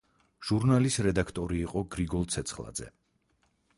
ჟურნალის რედაქტორი იყო გრიგოლ ცეცხლაძე.